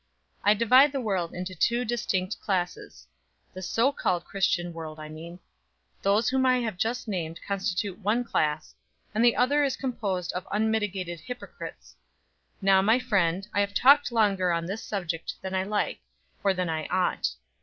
I divide the world into two distinct classes the so called Christian world, I mean. Those whom I have just named constitute one class, and the other is composed of unmitigated hypocrites. Now my friend, I have talked longer on this subject than I like, or than I ought.